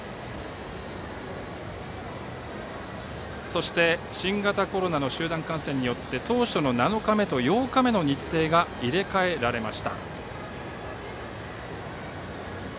そして新型コロナの集団感染によって当初の７日目と８日目の日程が入れ替えられました。